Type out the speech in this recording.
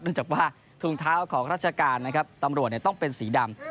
เนื่องจากว่าถุงเท้าของราชการตำรวจต้องเป็นสีดำ